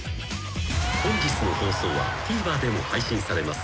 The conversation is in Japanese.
［本日の放送はＴＶｅｒでも配信されます。